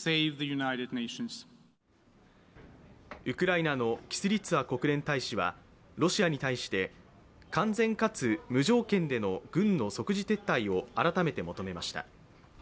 ウクライナのキスリツァ国連大使はロシアに対して完全かつ無条件での軍の即時撤退を改めて求めました。